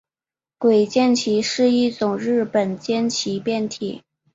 鬼将棋是一种日本将棋变体。